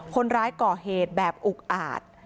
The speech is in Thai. คนร้ายก่อเหตุแบบอุกอาจ